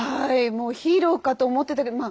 もうヒーローかと思ってたけど